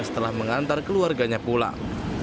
setelah mengantar keluarganya pulang